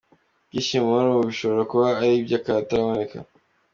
Ibyishimo murimo ubu bishobora kuba ari iby’akataraboneka.